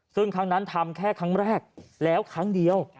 ซึ่งครั้งนั้นทำแค่ครั้งแรกแล้วครั้งเดียว